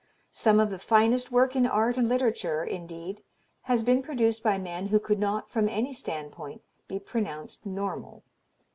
Some of the finest work in art and literature, indeed, has been produced by men who could not, from any standpoint, be pronounced normal.